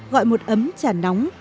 gọi một ấm trà nóng